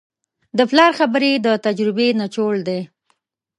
د پلار خبرې د تجربې نچوړ دی.